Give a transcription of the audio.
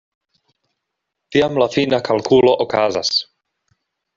Tiam la fina kalkulo okazas.